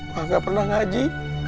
pak ang gak pernah ngaji